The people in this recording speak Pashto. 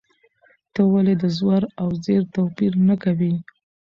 ته ولې د زور او زېر توپیر نه کوې؟